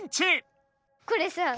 これさ